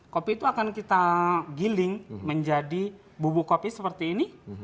kopi itu akan kita giling menjadi bubuk kopi seperti ini